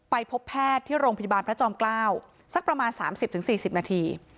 พบแพทย์ที่โรงพยาบาลพระจอมเกล้าสักประมาณ๓๐๔๐นาที